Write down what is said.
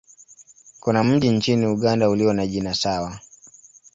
Kuna mji nchini Uganda ulio na jina sawa.